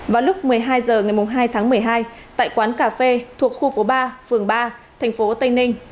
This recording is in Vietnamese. vào lúc một mươi hai h ngày hai tháng một mươi hai tại quán cà phê thuộc khu phố ba phường ba thành phố tây ninh